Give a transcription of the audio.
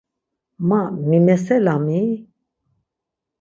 Ma mimeselam-i?